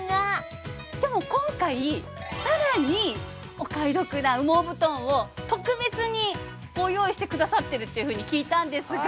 でも今回さらにお買い得な羽毛布団を特別にご用意してくださってるっていうふうに聞いたんですが。